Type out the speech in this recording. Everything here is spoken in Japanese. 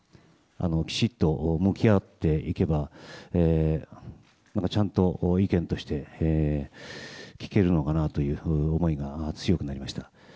きちっと向き合っていけばちゃんと意見として聞けるのかなという思いが強くなりました。